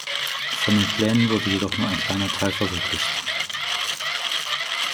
Von den Plänen wurde jedoch nur ein kleiner Teil verwirklicht.